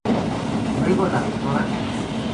Luego la Dra.